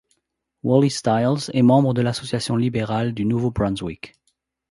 Wally Stiles est membre de l'Association libérale du Nouveau-Brunswick.